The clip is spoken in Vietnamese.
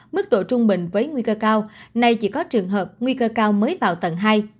mức độ trung bình với nguy cơ cao nay chỉ có trường hợp nguy cơ cao mới vào tầng hai